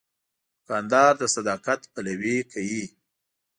دوکاندار د صداقت پلوي کوي.